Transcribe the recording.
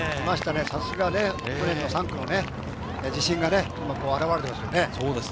さすが去年の３区の自信が表れていますよね。